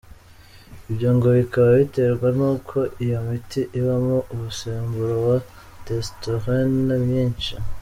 Ibyo ngo bikaba biterwa nuko iyo miti ibamo umusemburo wa testostérone mwinshi.